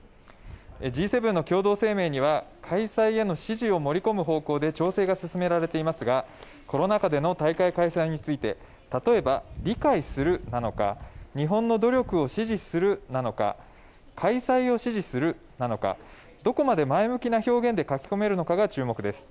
Ｇ７の共同声明には開催への支持を盛り込む方向で調整が進められていますがコロナ禍での大会開催について例えば、理解するなのか日本の努力を支持するなのか開催を支持するなのかどこまで前向きな表現で書き込めるのかが注目です。